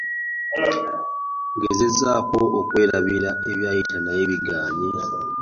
Ngezezaako okwerabira ebyayita naye biganye.